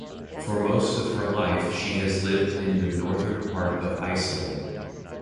For most of her life she has lived in the northern part of Iceland.